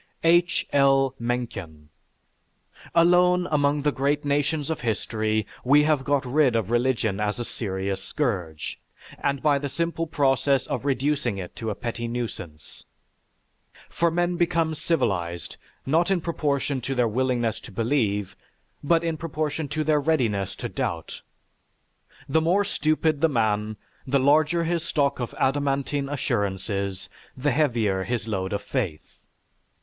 H. L. MENCKEN Alone among the great nations of history we have got rid of religion as a serious scourge, and by the simple process of reducing it to a petty nuisance. For men become civilized, not in proportion to their willingness to believe, but in proportion to their readiness to doubt. The more stupid the man, the larger his stock of adamantine assurances, the heavier his load of faith.